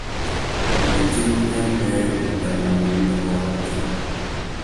Tu tà tirimiya being wendana na widôngô râ waki.